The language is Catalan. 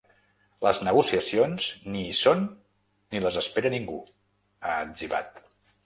Les negociacions, ni hi són, ni les espera ningú, ha etzibat.